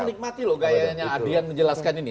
saya menikmati loh gayanya adrian menjelaskan ini